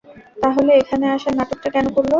তাহলে এখানে আসার নাটকটা কেন করলো?